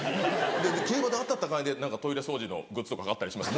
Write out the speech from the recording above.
競馬で当たった金でトイレ掃除のグッズとか買ったりします。